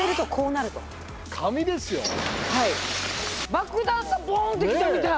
爆弾がボンッて来たみたい！